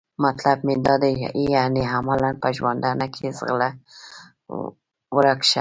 مطلب مې دا دی یعنې عملاً په ژوندانه کې؟ ځغله ورک شه.